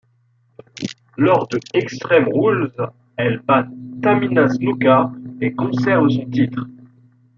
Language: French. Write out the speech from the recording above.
Lors de Extreme Rules, elle bat Tamina Snuka et conserve son titre.